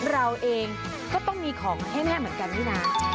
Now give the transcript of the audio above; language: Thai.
เราเองก็ต้องมีของให้แม่เหมือนกันนี่นะ